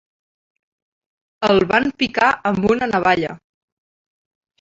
El van picar amb una navalla.